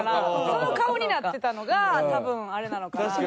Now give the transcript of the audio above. その顔になってたのが多分あれなのかなって。